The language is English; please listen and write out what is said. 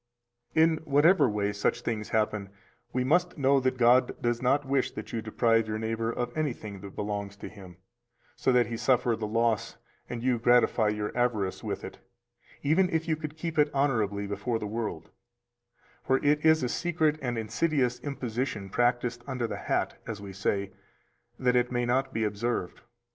307 In whatever way such things happen, we must know that God does not wish that you deprive your neighbor of anything that belongs to him, so that he suffer the loss and you gratify your avarice with it, even if you could keep it honorably before the world; for it is a secret and insidious imposition practised under the hat, as we say, that it may not be observed.